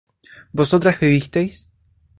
¿vosotras bebisteis?